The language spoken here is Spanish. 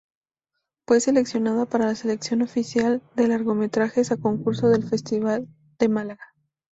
Fue seleccionada para la sección oficial de largometrajes a concurso del Festival de Málaga.